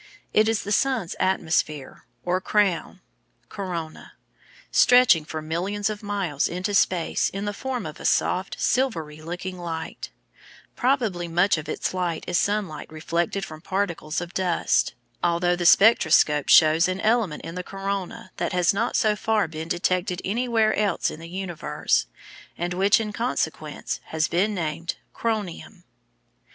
It is the sun's atmosphere, or "crown" (corona), stretching for millions of miles into space in the form of a soft silvery looking light; probably much of its light is sunlight reflected from particles of dust, although the spectroscope shows an element in the corona that has not so far been detected anywhere else in the universe and which in consequence has been named Coronium.